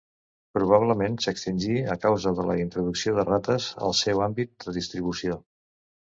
Probablement s'extingí a causa de la introducció de rates al seu àmbit de distribució.